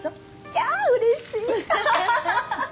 キャーうれしい！